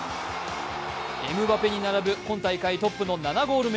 エムバペに並ぶ今大会トップの７ゴール目。